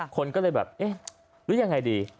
คนก็เลยแบบเอ๊ะหรือยังไงดี